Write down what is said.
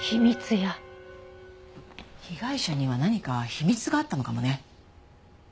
被害者には何か秘密があったのかもね。